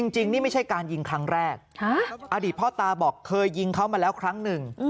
จริงนี่ไม่ใช่การยิงครั้งแรกอดีตพ่อตาบอกเคยยิงเขามาแล้วครั้งหนึ่ง